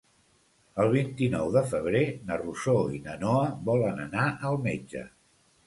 El vint-i-nou de febrer na Rosó i na Noa volen anar al metge.